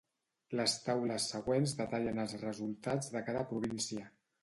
Les taules següents detallen els resultats de cada província.